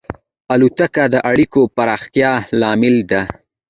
الوتکه د اړیکو پراختیا لامل ده.